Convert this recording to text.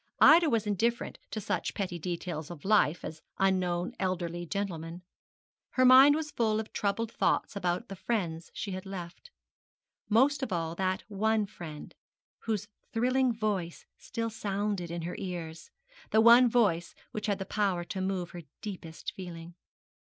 Ida was indifferent to such petty details of life as unknown elderly gentlemen. Her mind was full of troubled thoughts about the friends she had left most of all that one friend whose thrilling voice still sounded in her ears that one voice which had power to move her deepest feeling.